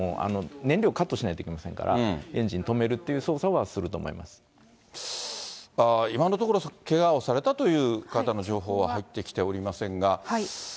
燃料をカットしなければいけませんから、エンジン止めるとい今のところ、けがをされたという方の情報は入ってきておりませんが。